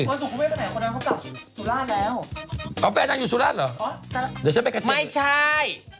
โอ้โฮแฟนนั่งอยู่สุฬาตแล้วเหรอเดี๋ยวฉันไปเกอร์เทียมไม่ใช่